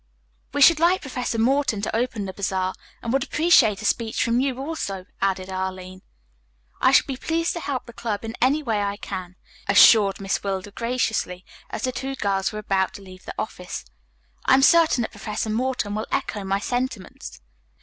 "We should like Professor Morton to open the bazaar, and would appreciate a speech from you also," added Arline. "I shall be pleased to help the club in any way I can," assured Miss Wilder graciously as the two girls were about to leave the office. "I am certain that Professor Morton will echo my sentiments."